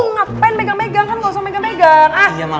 ih lu ngapain megang megang kan gak usah megang megang